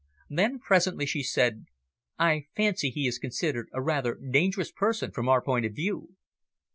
Then, presently she said. "I fancy he is considered a rather dangerous person from our point of view."